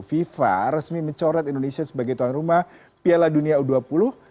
fifa resmi mencoret indonesia sebagai tuan rumah piala dunia u dua puluh